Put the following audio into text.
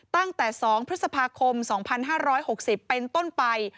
ตั้งแต่๒พฤษภาคม๒๕๖๐เป็นต้นไป